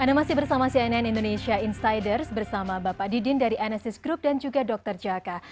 anda masih bersama cnn indonesia insiders bersama bapak didin dari enesis group dan juga dr jaka